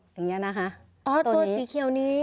ตัวสีเขียวนี้